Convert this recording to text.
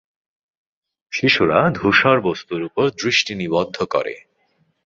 শিশুরা ধূসর বস্তুর উপর দৃষ্টি নিবদ্ধ করে।